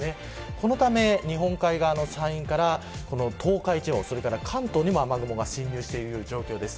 そのため日本海側の山陰から東海地方、それから関東にも雨雲が進入している状況です。